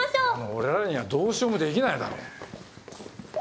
俺らにはどうしようもできないだろう。